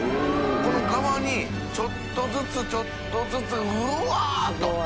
海離錣ちょっとずつちょっとずつうわっと！